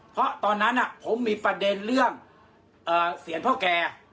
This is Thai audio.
เพราะตอนนั้นผมมีประเด็นเรื่องเสียงพ่อแก